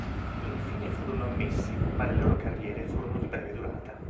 Infine furono ammessi, ma le loro carriere furono di breve durata.